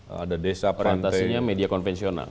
ada desa pantai perantasinya media konvensional